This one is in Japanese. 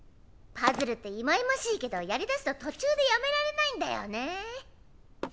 パズルっていまいましいけどやりだすと途中でやめられないんだよね。